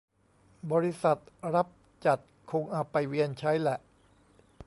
บริษัทรับจัดคงเอาไปเวียนใช้แหละ